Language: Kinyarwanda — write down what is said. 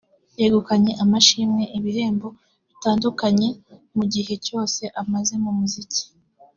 yegukanye amashimwe(ibihembo)bitandukanye mu gihe cyose amaze mu muziki